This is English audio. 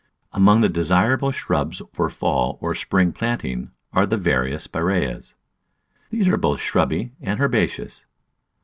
Among the desirable shrubs for fall or spring plant ing are the various Spiraeas; these are both shrubby and herbaceous.